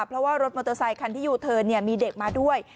เพราะว่ารถมอเตอร์ไซคันที่ยูเทิร์นมีเด็กมาด้วย